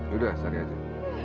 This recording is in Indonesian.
yaudah cari aja